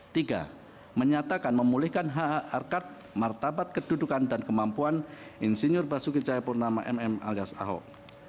tiga menyatakan memulihkan hak hak harkat martabat kedudukan dan kemampuan insinyur basuki cahayapurnama mm alias ahok